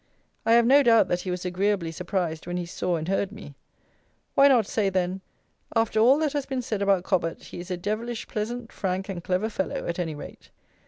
I have no doubt that he was agreeably surprised when he saw and heard me. Why not say then: "After all that has been said about Cobbett, he is a devilish pleasant, frank, and clever fellow, at any rate."